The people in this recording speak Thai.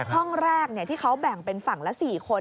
ห้องแรกที่เขาแบ่งเป็นฝั่งละ๔คน